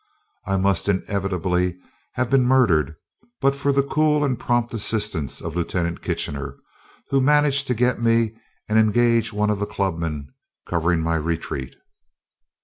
I must inevitably have been murdered but for the cool and prompt assistance of Lieut. Kitchener, who managed to get to me and engaged one of the clubmen, covering my retreat.